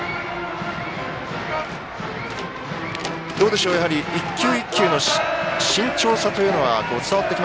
どうでしょう１球１球の慎重さはそうですね。